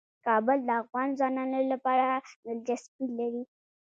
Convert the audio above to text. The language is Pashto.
کابل د افغان ځوانانو لپاره دلچسپي لري.